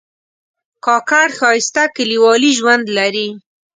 کاکړ ښایسته کلیوالي ژوند لري.